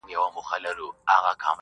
نن به ولي په تیارو کي ښخېدی د شمعي مړی -